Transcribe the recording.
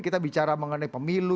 kita bicara mengenai pemilu